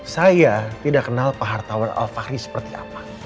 saya tidak kenal pak hartawan al fahri seperti apa